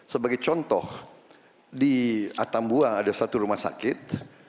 sebagai contoh di atambuang ada satu rumah sakit